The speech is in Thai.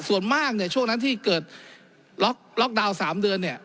ส่วนมากเนี่ยช่วงนั้นที่เกิดล็อกดาวน์๓เดือนเนี่ย